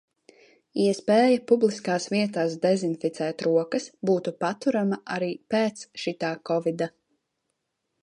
Iespēja publiskās vietās dezinficēt rokas būtu paturama arī pēc šitā kovida.